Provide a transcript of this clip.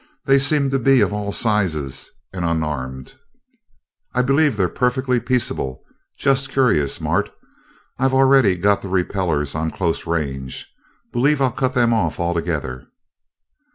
They seemed to be of all sizes, and unarmed. "I believe they're perfectly peaceable, and just curious, Mart. I've already got the repellers on close range believe I'll cut them off altogether."